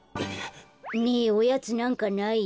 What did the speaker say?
ねえおやつなんかない？